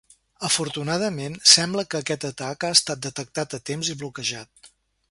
Afortunadament, sembla que aquest atac ha estat detectat a temps i bloquejat.